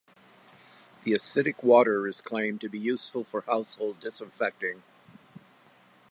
The acidic water is claimed to be useful for household disinfecting.